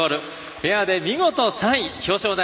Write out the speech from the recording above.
ペアで見事３位表彰台。